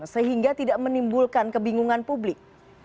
sehingga tidak menimbulkan kebingungan publik